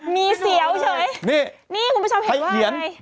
มีเสียวเฉย